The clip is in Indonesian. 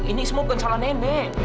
ini semua bukan salah nenek